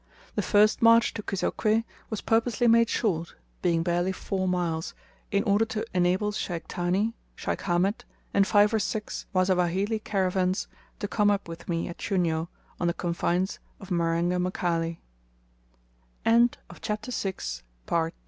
The first march to Kisokweh was purposely made short, being barely four miles, in order to enable Sheikh Thani, Sheikh Hamed, and five or six Wasawahili caravans to come up with me at Chunyo on the confines of Marenga Mkali. CHAPTER VII.